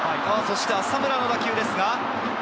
浅村の打球です。